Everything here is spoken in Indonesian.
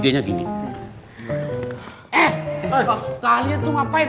eh kalian tuh ngapain